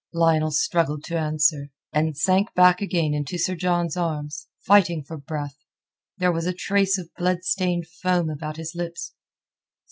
Lionel struggled to answer, and sank back again into Sir John's arms, fighting for breath; there was a trace of blood stained foam about his lips.